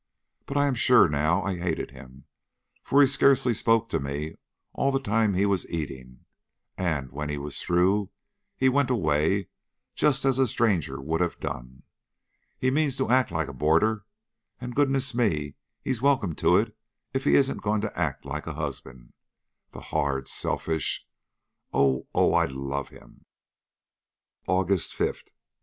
But I am sure now I hated him, for he scarcely spoke to me all the time he was eating, and when he was through, he went away just as a stranger would have done. He means to act like a boarder, and, goodness me, he's welcome to if he isn't going to act like a husband! The hard, selfish Oh, oh, I love him!" "AUGUST 5, 1872.